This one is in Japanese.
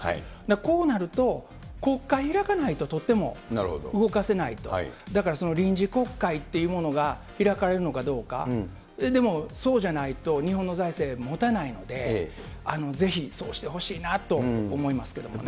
こうなると、国会開かないととっても動かせないと、だから臨時国会というものが開かれるのかどうか、でもそうじゃないと、日本の財政もたないので、ぜひそうしてほしいなと思いますけれどもね。